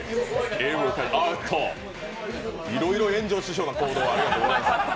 いろいろ炎上しそうな行動、ありがとうございます。